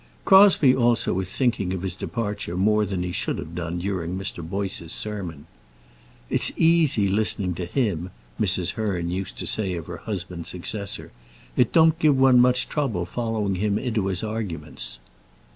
Crosbie also was thinking of his departure more than he should have done during Mr. Boyce's sermon. "It's easy listening to him," Mrs. Hearn used to say of her husband's successor. "It don't give one much trouble following him into his arguments."